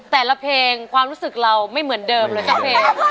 แต่ละเพลงความรู้สึกเราไม่เหมือนเดิมเลยสักเพลง